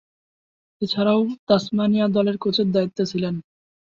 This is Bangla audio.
এছাড়াও, তাসমানিয়া দলের কোচের দায়িত্বে ছিলেন।